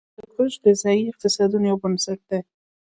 هندوکش د ځایي اقتصادونو یو بنسټ دی.